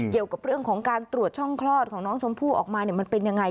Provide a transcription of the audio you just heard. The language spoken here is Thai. เกี่ยวกับเรื่องของการตรวจช่องคลอดของน้องชมพู่ออกมามันเป็นยังไง